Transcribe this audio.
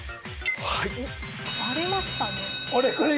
割れましたね。